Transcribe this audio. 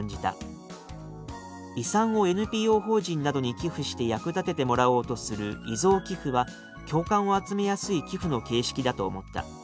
「遺産をＮＰＯ法人などに寄付して役立ててもらおうとする遺贈寄付は共感を集めやすい寄付の形式だと思った」